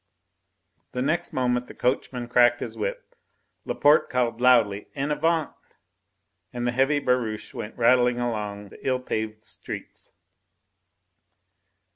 The next moment the coachman cracked his whip, Laporte called loudly, "En avant!" and the heavy barouche went rattling along the ill paved streets.